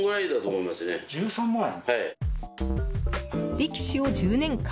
力士を１０年間。